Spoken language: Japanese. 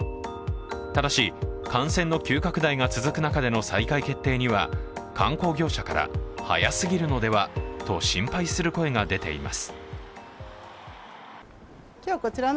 ただし、感染の急拡大が続く中での再開決定には観光業者から早すぎるのではと心配する声が出ています。